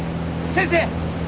先生！